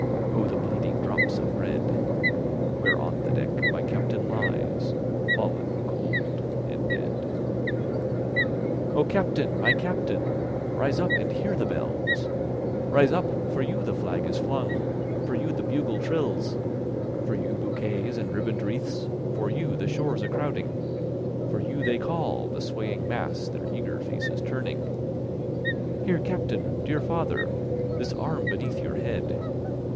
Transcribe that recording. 5 O the bleeding drops of red! Where on the deck my Captain lies, Fallen cold and dead. O Captain! my Captain! rise up and hear the bells; Rise up—for you the flag is flung—for you the bugle trills, 10 For you bouquets and ribbon'd wreaths—for you the shores crowding, For you they call, the swaying mass, their eager faces turning; Here, Captain! dear father! This arm beneath your head!